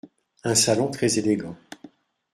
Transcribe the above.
Un salon très élégant.